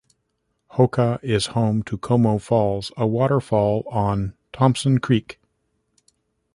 Hokah is home to Como Falls, a waterfall on Thompson Creek.